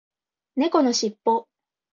猫のしっぽ